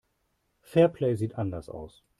Fairplay sieht anders aus.